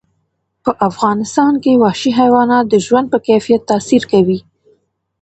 په افغانستان کې وحشي حیوانات د ژوند په کیفیت تاثیر کوي.